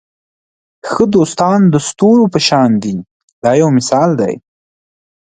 ښه دوستان د ستورو په شان وي دا یو مثال دی.